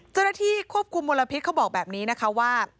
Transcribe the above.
เจ้าหน้าที่ควบคุมมลพิษเขาบอกแบบนี้นะคะว่า